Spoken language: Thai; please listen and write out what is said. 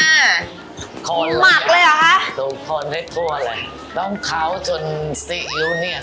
หมักเลยเหรอคะทุกคนได้กลัวเลยต้องเข้าจนซีอิ๊วเนี้ย